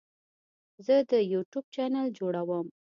زه د یوټیوب چینل جوړوم.